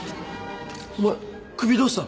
お前首どうした？